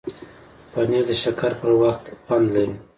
پنېر د شکر پر وخت خوند لري.